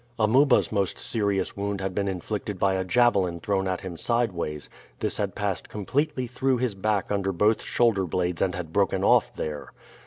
Amuba's most serious wound had been inflicted by a javelin thrown at him sideways. This had passed completely through his back under both shoulder blades and had broken off there.